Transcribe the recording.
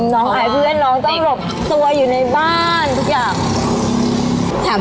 อายเพื่อนน้องต้องแบบตัวอยู่ในบ้านทุกอย่าง